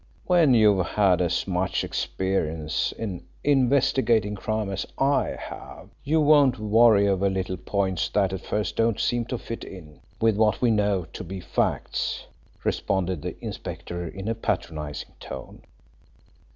"When you have had as much experience in investigating crime as I have, you won't worry over little points that at first don't seem to fit in with what we know to be facts," responded the inspector in a patronising tone.